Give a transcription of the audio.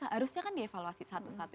harusnya kan di evaluasi satu satu